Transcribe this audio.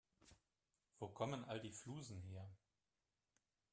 Wo kommen all die Flusen her?